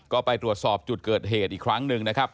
ก็ไปตรวจสอบจุดเกิดเหตุอีกครั้งหนึ่งนะครับ